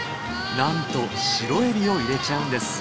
なんとシロエビを入れちゃうんです。